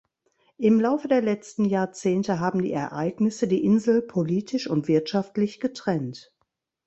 Im Laufe der letzten Jahrzehnte haben die Ereignisse die Insel politisch und wirtschaftlich getrennt.